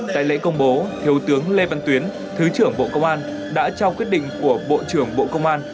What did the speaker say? tại lễ công bố thiếu tướng lê văn tuyến thứ trưởng bộ công an đã trao quyết định của bộ trưởng bộ công an